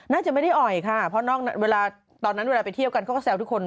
น่าจะไม่ได้อ่อยค่ะเพราะเวลาตอนนั้นเวลาไปเที่ยวกันเขาก็แซวทุกคน